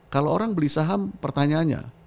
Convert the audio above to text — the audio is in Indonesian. kalau orang beli saham pertanyaannya